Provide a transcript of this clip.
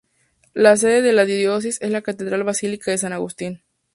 La sede de la Diócesis es la Catedral Basílica de San Agustín.